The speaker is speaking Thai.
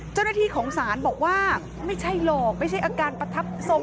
เจ้าหน้าที่ของศาลบอกว่าไม่ใช่หรอกไม่ใช่อาการประทับสม